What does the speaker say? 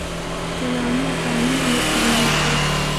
سیلانی آسانی نال اِتھا اینڑ لگے۔